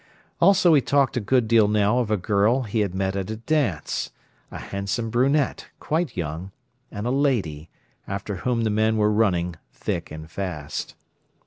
Also he talked a good deal now of a girl he had met at a dance, a handsome brunette, quite young, and a lady, after whom the men were running thick and fast.